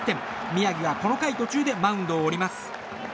宮城はこの回途中でマウンドを降ります。